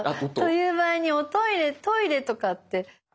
という場合にトイレとかって。